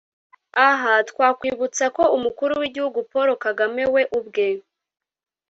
Aha twakwibutsa ko umukuru w’igihugu Paul Kagame we ubwe